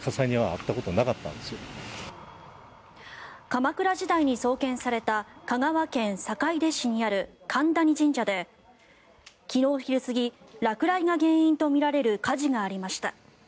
鎌倉時代に創建された香川県坂出市にある神谷神社で、昨日昼過ぎ落雷が原因とみられる火事がありました。